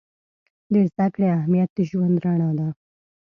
د زده کړې اهمیت د ژوند رڼا ده.